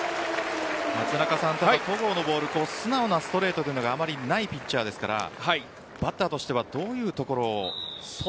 松中さん、ただ戸郷のボールは素直なストレートがあまりないピッチャーですからバッターとしてはどういうところを？